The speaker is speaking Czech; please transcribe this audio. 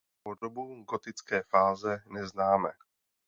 Podobu gotické fáze neznáme.